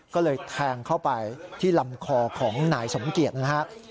ก็เลยแทงเข้าไปที่ลำคอของนายสมเกียจนะครับ